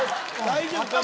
大丈夫か？